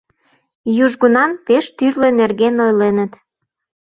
Южгунам пеш тӱрлӧ нерген ойленыт.